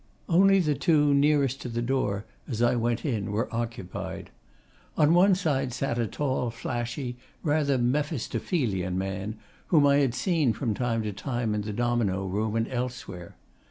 Only the two nearest to the door, as I went in, were occupied. On one side sat a tall, flashy, rather Mephistophelian man whom I had seen from time to time in the domino room and elsewhere.